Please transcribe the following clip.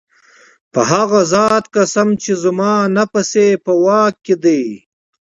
په هغه ذات قسم چي زما نفس ئې په واك كي دی